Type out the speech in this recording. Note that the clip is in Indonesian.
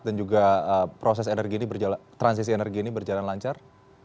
dan juga proses energi ini transisi energi ini berjalan lancar